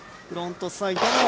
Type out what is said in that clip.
フロントサイド７２０。